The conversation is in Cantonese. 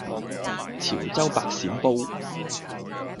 潮州白鱔煲